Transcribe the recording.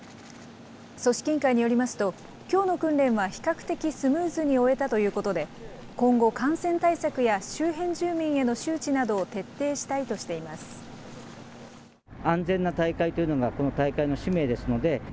組織委員会によりますと、きょうの訓練は比較的スムーズに終えたということで、今後、感染対策や周辺住民への周知などを徹底したいとしています。